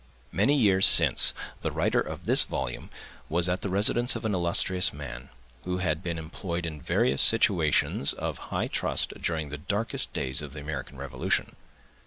Many years since, the writer of this volume was at the residence of an illustrious man, who had been employed in various situations of high trust during the darkest days of the American Revolution.